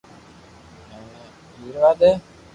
ايني ھيڙوا دي